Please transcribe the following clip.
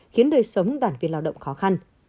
khiến đời sống đoàn viên lao động khó khăn